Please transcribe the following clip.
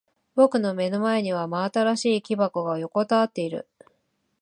僕の目の前には真新しい木箱が横たわっている。